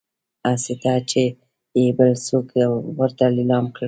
هسي نه چې يې بل څوک ورته ليلام کړي